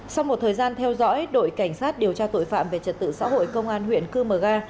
sau một thời gian theo dõi đội cảnh sát điều tra tội phạm về trật tự xã hội công an huyện cư mờ ga